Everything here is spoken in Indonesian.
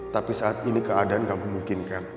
tapi saat ini keadaan tidak memungkinkan